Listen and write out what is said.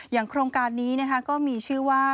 โครงการนี้ก็มีชื่อว่า